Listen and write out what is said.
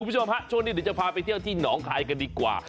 คุณผู้ชมฮะช่วงนี้เดี๋ยวจะพาไปเที่ยวที่หนองคายกันดีกว่า